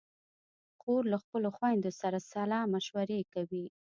خور له خپلو خویندو سره سلا مشورې کوي.